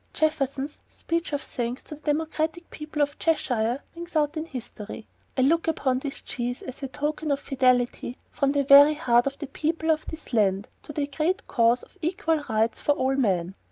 Jefferson's speech of thanks to the democratic people of Cheshire rings out in history: "I look upon this cheese as a token of fidelity from the very heart of the people of this land to the great cause of equal rights to all men."